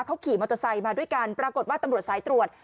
เขาขี่มอเตอร์ไซค์มาด้วยกันปรากฏว่าตำรวจสายตรวจ